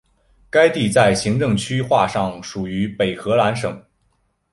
该地在行政区划上属于北荷兰省。